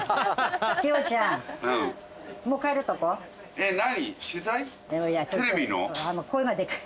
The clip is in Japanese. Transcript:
えっ何？